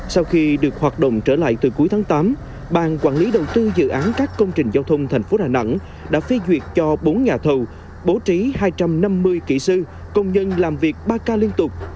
sau khi được hoạt động trở lại từ cuối tháng tám bang quản lý đầu tư dự án các công trình giao thông thành phố đà nẵng đã phê duyệt cho bốn nhà thầu bố trí hai trăm năm mươi kỹ sư công nhân làm việc ba k liên tục